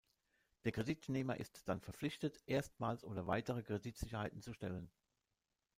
Der Kreditnehmer ist dann verpflichtet, erstmals oder weitere Kreditsicherheiten zu stellen.